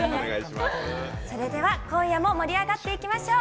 それでは盛り上がっていきましょう。